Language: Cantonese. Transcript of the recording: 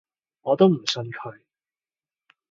我都唔信佢